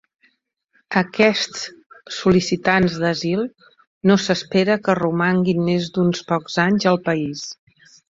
Aquests sol·licitants d'asil no s'espera que romanguin més d'uns pocs anys al país.